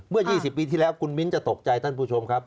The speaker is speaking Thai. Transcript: เมื่อ๒๐ปีที่แล้วคุณมิ้นจะตกใจท่านผู้ชมครับ